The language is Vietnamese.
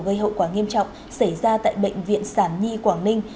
gây hậu quả nghiêm trọng xảy ra tại bệnh viện sản nhi quảng ninh